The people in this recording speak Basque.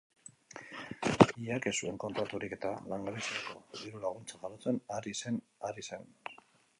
Langileak ez zuen kontraturik eta langabeziako diru-laguntza jasotzen ari zen ari zen.